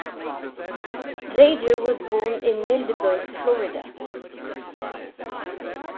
Geiger was born in Middleburg, Florida.